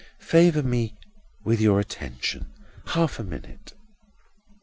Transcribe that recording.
Favour me with your attention, half a minute."